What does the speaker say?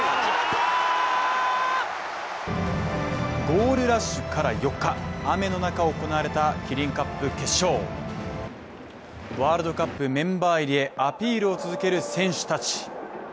ゴールラッシュから４日雨の中行われたキリンカップ決勝ワールドカップメンバー入りへアピールを続ける選手たち。